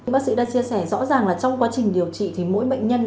bác sĩ đã chia sẻ rõ ràng là trong quá trình điều trị thì mỗi bệnh nhân